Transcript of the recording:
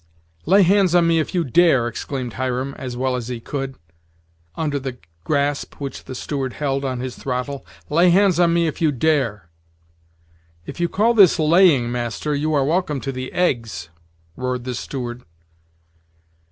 "Lay hands on me if you dare!" exclaimed Hiram, as well as he could, under the grasp which the steward held on his throttle "lay hands on me if you dare!" "If you call this laying, master, you are welcome to the eggs," roared the steward.